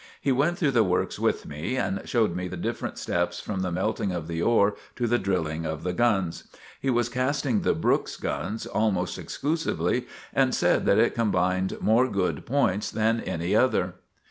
He went through the works with me and showed me the different steps, from the melting of the ore to the drilling of the guns. He was casting the Brooks gun almost exclusively and said that it combined more good points than any other.